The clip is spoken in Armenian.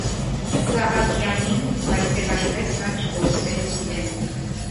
Սահակյանին, բայց և այնպես նա չկորցրեց իրեն: